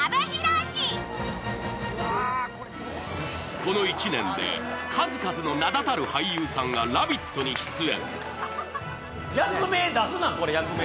この１年で数々の名だたる俳優さんたちが「ラヴィット！」に出演。